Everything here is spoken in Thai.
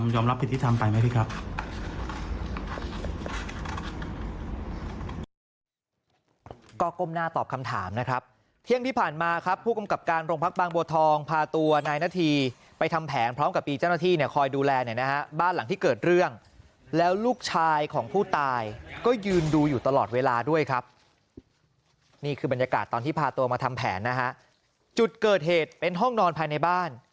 ยอมรับผิดที่ทำไปไหมครับ